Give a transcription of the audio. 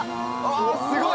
すごい！